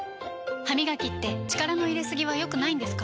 歯みがきって力の入れすぎは良くないんですか？